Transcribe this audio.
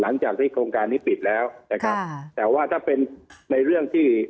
หลังจากที่โครงการนี้ปิดแล้วนะครับแต่ว่าถ้าเป็นในเรื่องที่